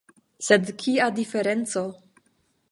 Sed, kia diferenco!